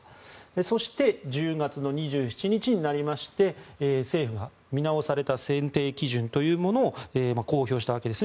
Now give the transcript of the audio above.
そして１０月２７日になりまして政府が見直された選定基準というものを公表したわけです。